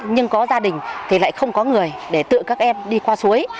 trường thì lại không có người để tự các em đi qua suối